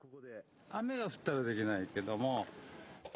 雨がふったらできないけども。